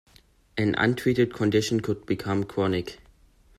An untreated condition could become chronic.